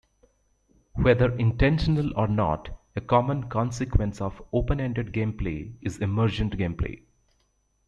Whether intentional or not, a common consequence of open-ended gameplay is emergent gameplay.